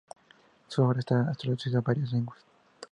Su obra está traducida a varias lenguas.